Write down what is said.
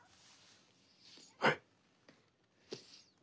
はい。